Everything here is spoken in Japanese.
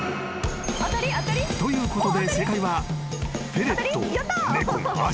［ということで正解は］